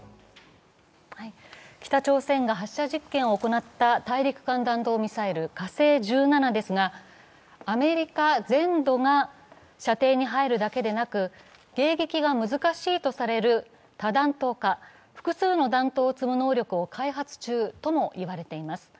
北朝鮮が発射実験を行った大陸間弾道ミサイル、火星１７ですがアメリカ全土が射程に入るだけでなく、迎撃が難しいとされる多弾頭化、複数の弾頭を積む能力を開発中とも言われています。